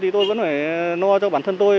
tôi vẫn phải no cho bản thân tôi